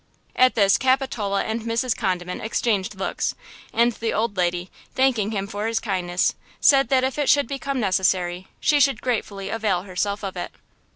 At this Capitola and Mrs. Condiment exchanged looks, and the old lady, thanking him for his kindness, said that if it should become necessary, she should gratefully avail herself of it.